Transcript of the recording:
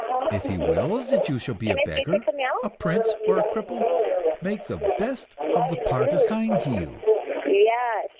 If he wills that you shall be a beggar, a prince, or a cripple, make the best of the part assigned you.